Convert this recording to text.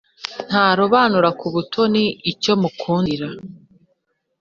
Ntarobanura kubutoni icyo mukundira